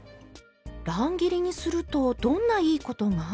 乱切りにするとどんないいことが？